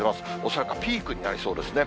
恐らくピークになりそうですね。